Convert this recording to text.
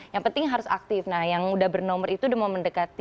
yang penting harus aktif nah yang udah bernomor itu udah mau mendekati